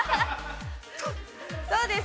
そうです。